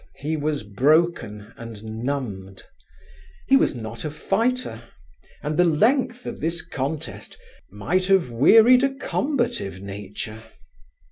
he was broken and numbed. He was not a fighter, and the length of this contest might have wearied a combative nature.